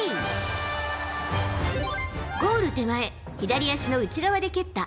Ｂ、ゴール手前、左足の内側で蹴った